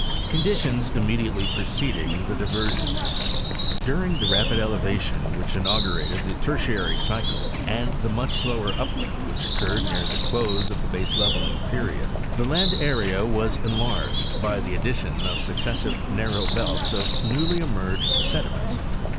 Conditions immediately preceding the Diversion—During the rapid elevation which inaugurated the Tertiary cycle and the much slower uplift which occurred near the close of the base leveling period, the land area was enlarged by the addition of successive narrow belts of newly emerged sediments.